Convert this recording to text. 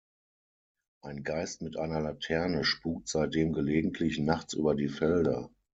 Ein Geist mit einer Laterne spukt seitdem gelegentlich nachts über die Felder.